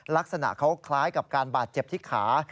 ลักษณะเขาคล้ายกับการบาดเจ็บที่ขา